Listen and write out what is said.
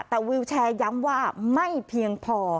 แต่วิวแชร์ย้ำว่าไม่เพียงพอ